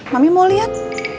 mami mau lihat